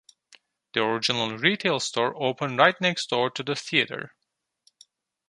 The original retail store opened right next door to the theatre.